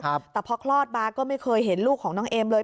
แต่พอคลอดมาก็ไม่เคยเห็นลูกของน้องเอมเลย